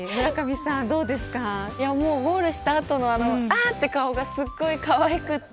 ゴールした後のあって顔がすごいかわいくて